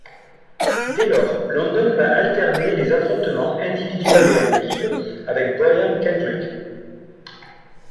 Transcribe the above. Dès lors, London va alterner les affrontements individuels et en équipe avec Brian Kendrick.